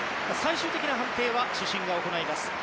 最終的な判定は主審が行います。